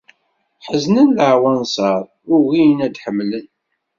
Ḥeznen leɛwanṣer, ugin ad d-ḥemlen.